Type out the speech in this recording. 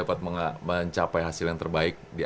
apa ini sama se strength ini